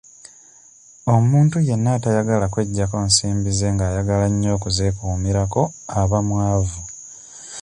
Omuntu yenna atayagala kweggyako nsimbi ze nga ayagala nnyo okuzeekuumirako aba mwavu.